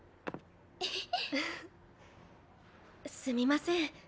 すみません